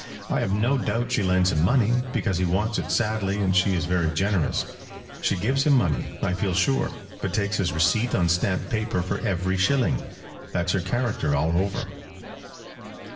I have no doubt she lends him money, because he wants it sadly and she is very generous. She gives him money, I feel sure, but takes his receipt on stamped paper for every shilling. That's her character all over."